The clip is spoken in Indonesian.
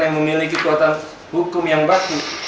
yang memiliki kekuatan hukum yang baku